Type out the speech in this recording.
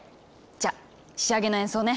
じゃ仕上げの演奏ね。